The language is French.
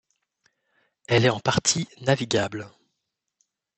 Elle est en partie navigable.